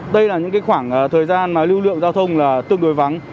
đây là những khoảng thời gian mà lưu lượng giao thông là tương đối vắng